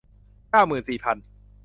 เก้าหมื่นสี่พัน